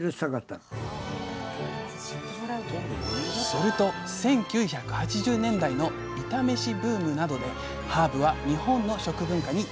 すると１９８０年代のイタ飯ブームなどでハーブは日本の食文化に定着。